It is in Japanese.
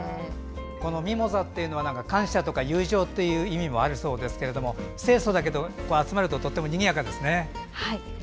ミモザというのは感謝とか友情という意味もあるそうですけど清そだけど、集まるととってもにぎやかですね。